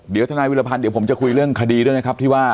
เดี๋ยวทนายวิรพันธ์เดี๋ยวผมจะคุยเรื่องคดีด้วยนะครับที่ว่า